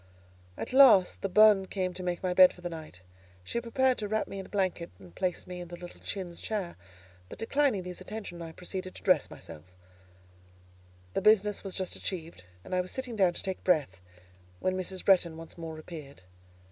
At last the bonne came to make my bed for the night. She prepared to wrap me in a blanket and place me in the little chintz chair; but, declining these attentions, I proceeded to dress myself: The business was just achieved, and I was sitting down to take breath, when Mrs. Bretton once more appeared.